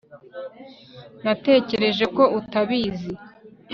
natekereje ko utabizi